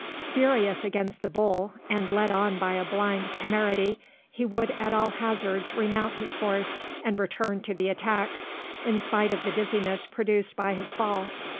Furious against the bull, and led on by a blind temerity, he would at all hazards remount his horse and return to the attack, in spite of the dizziness produced by his fall.